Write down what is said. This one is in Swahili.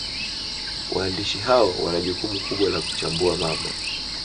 Waandishi hao wana jukumu kubwa la kuchambua mambo